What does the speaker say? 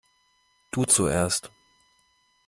Du zuerst.